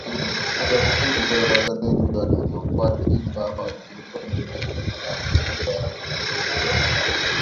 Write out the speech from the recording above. na japokuwa nyimbo za wasanii wengi walizokuwa wakiimba zilikuwa ni katika lugha ya Kiingereza